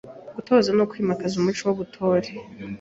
Gutoza no kwimakaza umuco w’ubutore